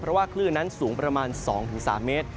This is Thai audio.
เพราะว่าคลื่นนั้นสูงประมาณ๒๓เมตร